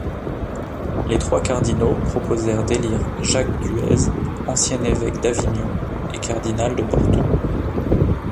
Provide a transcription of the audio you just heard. Les trois cardinaux proposèrent d’élire Jacques Duèze, ancien évêque d’Avignon et cardinal de Porto.